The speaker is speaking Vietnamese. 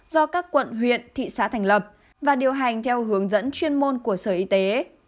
do các quận huyện thị xã thành lập và điều hành theo hướng dẫn chuyên môn của sở y tế